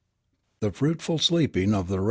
THE FRUITFUL SLEEPING OF THE REV.